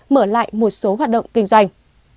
mở lại một số hoạt động kinh doanh